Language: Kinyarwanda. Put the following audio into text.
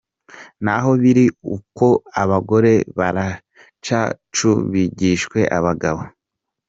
Naho biri ukwo abagore baracacubgishijwe abagabo.